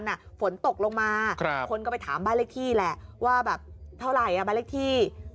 ฝนตกลงมาคนก็ไปถามบ้านเลขที่แหละว่าแบบเท่าไหร่บ้านเลขที่